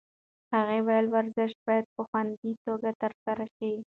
هغې وویل ورزش باید په خوندي توګه ترسره شي.